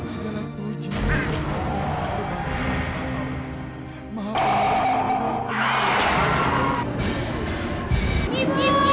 segala puji maafkan kita